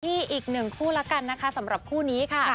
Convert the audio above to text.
อีกหนึ่งคู่แล้วกันนะคะสำหรับคู่นี้ค่ะ